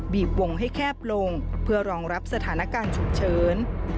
วงให้แคบลงเพื่อรองรับสถานการณ์ฉุกเฉิน